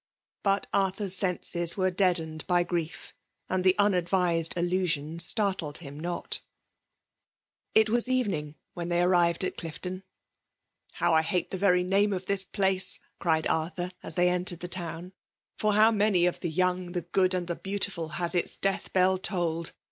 But Arthur's senses were dead ened by grief; and the unadvised aHusion startled him not It was evening when they arrived at Clifton. " How I hate the very name of this place !" cried Arthur as they entered the town. For how many of the young, the good, and the beautiful, has its death bell tolled!